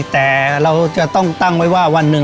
แต่เราจะต้องตั้งไว้ว่าวันหนึ่ง